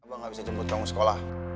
abang gak bisa jemput kamu ke sekolah